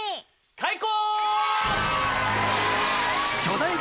開講！